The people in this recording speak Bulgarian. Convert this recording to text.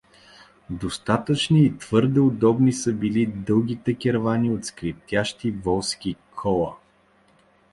Достатъчни и твърде удобни са били дългите кервани от скриптящи волски кола.